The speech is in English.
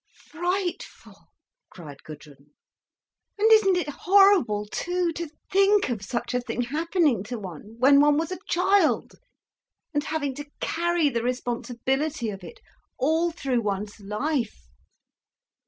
"Frightful!" cried Gudrun. "And isn't it horrible too to think of such a thing happening to one, when one was a child, and having to carry the responsibility of it all through one's life.